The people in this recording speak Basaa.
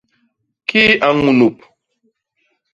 Kii a ñunup?